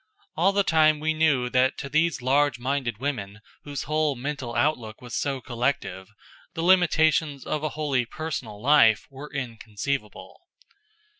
All the time we knew that to these large minded women whose whole mental outlook was so collective, the limitations of a wholly personal life were inconceivable.